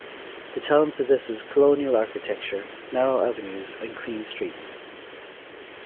The town possesses colonial architecture, narrow avenues, and clean streets.